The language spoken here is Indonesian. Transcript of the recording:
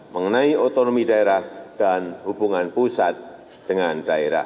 mengenai otonomi daerah dan hubungan pusat dengan daerah